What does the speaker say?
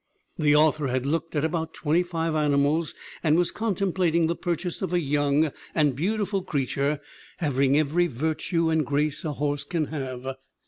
The author had looked at about twenty five animals and was contemplating the purchase of a young and beautiful creature having every virtue and grace a horse can have.